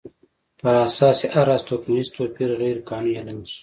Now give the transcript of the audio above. پر اساس یې هر راز توکمیز توپیر غیر قانوني اعلان شو.